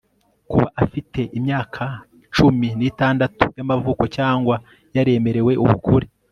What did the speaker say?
kuba afite imyaka cumi n'itandatu y'amavuko cyangwa yaremerewe ubukure